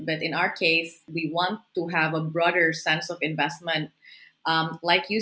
kita ingin memiliki perasaan investasi yang lebih luas